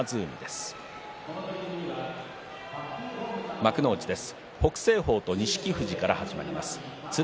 幕内です。